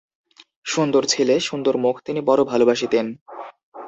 সুন্দর ছেলে, সুন্দর মুখ তিনি বড়ো ভালোবাসিতেন।